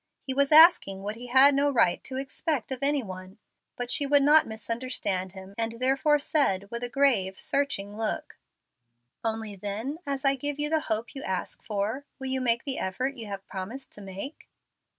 He was asking what he had no right to expect of any one. But she would not misunderstand him, and therefore said with a grave, searching look, "Only then as I give you the hope you ask for, will you make the effort you have promised to make?"